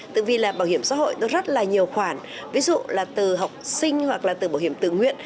tự vì là bảo hiểm xã hội tôi rất là nhiều khoản ví dụ là từ học sinh hoặc là từ bảo hiểm tự nguyện